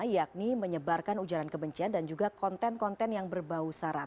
yakni menyebarkan ujaran kebencian dan juga konten konten yang berbau sarat